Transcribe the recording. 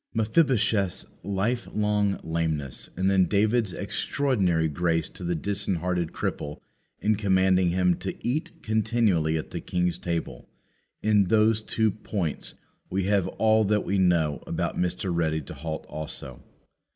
Mephibosheth's life long lameness, and then David's extraordinary grace to the disinherited cripple in commanding him to eat continually at the king's table; in those two points we have all that we know about Mr. Ready to halt also.